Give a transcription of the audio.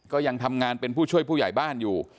ก็ยังทำงานเป็นผู้ช่วยผู้ใหญ่บ้านอยู่